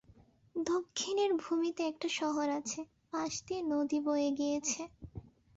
দক্ষিণের ভূমিতে একটা শহর আছে, পাশ দিয়ে নদী বয়ে গিয়েছে।